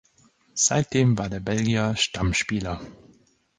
Seitdem war der Belgier Stammspieler.